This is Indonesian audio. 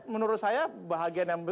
menurut saya bahagia dengan dpr dan dpr